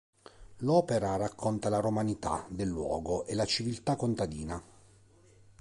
L'opera racconta la romanità del luogo e la civiltà contadina.